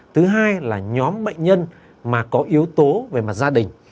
thứ hai là nhóm bệnh nhân mà có yếu tố về mặt gia đình